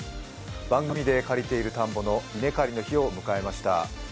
番組で借りている田んぼの稲刈りの日が来ました。